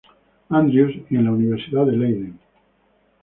Andrews y en la universidad de Leiden.